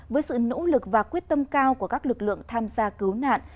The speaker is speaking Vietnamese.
với sự nỗ lực và quyết tâm cao của các lực lượng tham gia cứu nạn